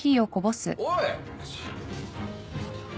おい！